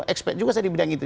expect juga saya di bidang itu